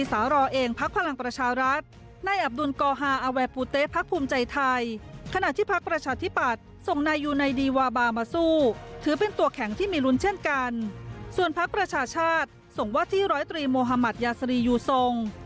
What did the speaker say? ส่วนพลักษณ์ประชาชาติส่งว่าที่๑๐๓มยยูทรง